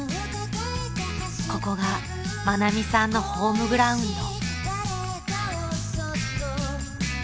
［ここが愛美さんのホームグラウンド］